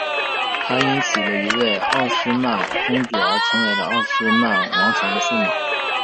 他因娶了一位奥斯曼公主而成为了奥斯曼王朝的驸马。